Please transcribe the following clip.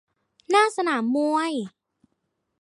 หน้าสนามมวย